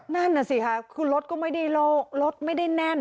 นั่นน่ะสิค่ะคือรถก็ไม่ได้โลกรถไม่ได้แน่น